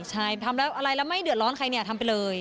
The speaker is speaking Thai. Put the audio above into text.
ใช่ทำแล้วอะไรแล้วไม่เดือดร้อนใครเนี่ยทำไปเลย